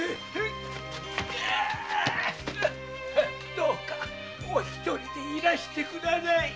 どうかお一人でいらしてください。